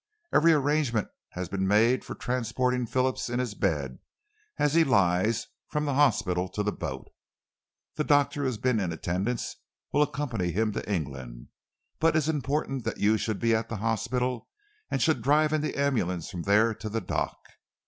Every arrangement has been made for transporting Phillips in his bed, as he lies, from the hospital to the boat. The doctor who has been in attendance will accompany him to England, but it is important that you should be at the hospital and should drive in the ambulance from there to the dock.